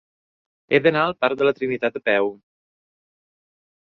He d'anar al parc de la Trinitat a peu.